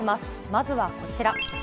まずはこちら。